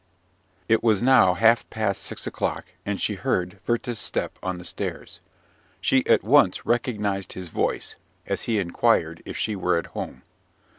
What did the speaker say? It was now half past six o'clock, and she heard Werther's step on the stairs. She at once recognised his voice, as he inquired if she were at home.